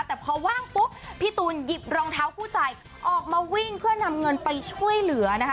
แต่พอว่างปุ๊บพี่ตูนหยิบรองเท้าคู่ใจออกมาวิ่งเพื่อนำเงินไปช่วยเหลือนะคะ